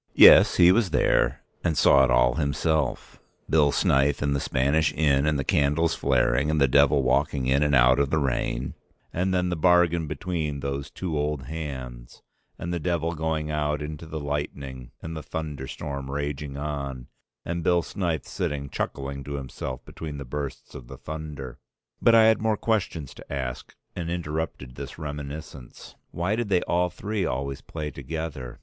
Yes, he was there and saw it all himself, Bill Snyth in the Spanish inn and the candles flaring, and the Devil walking in and out of the rain, and then the bargain between those two old hands, and the Devil going out into the lightning, and the thunderstorm raging on, and Bill Snyth sitting chuckling to himself between the bursts of the thunder. But I had more questions to ask and interrupted this reminiscence. Why did they all three always play together?